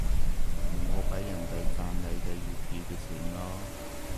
唔好畀人哋賺你哋粵語嘅錢囉